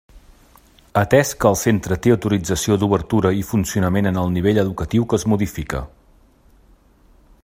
Atès que el centre té autorització d'obertura i funcionament en el nivell educatiu que es modifica.